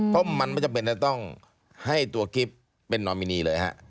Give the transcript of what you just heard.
เพราะมันไม่จำเป็นจะต้องให้ตัวกิฟต์เป็นนอมินีเลยฮะ